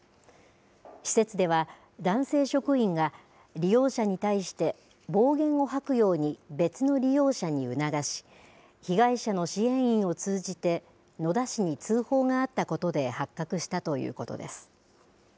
施設では男性職員が利用者に対して暴言を吐くように別の利用者に促し被害者の支援員を通じて野田市に通報があったことで発覚したということです。